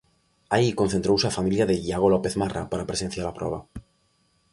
Aí concentrouse a familia de Iago López Marra para presenciar a proba.